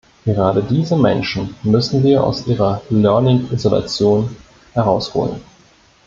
Gerade diese Menschen müssen wir aus ihrer Learning-Isolation herausholen.